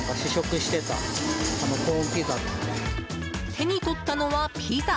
手に取ったのはピザ。